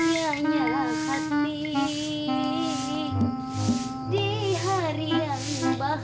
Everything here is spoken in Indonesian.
kerjanya di rumah super emak